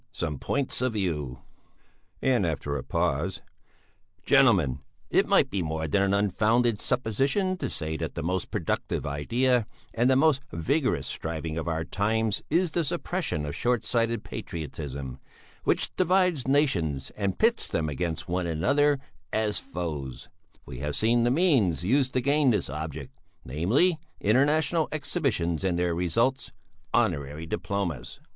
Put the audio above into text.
Some points of view." And after a pause: "Gentlemen! It might be more than an unfounded supposition to say that the most productive idea and the most vigorous striving of our times is the suppression of short sighted patriotism, which divides nations and pits them against one another as foes; we have seen the means used to gain this object, namely, international exhibitions and their results: honorary diplomas."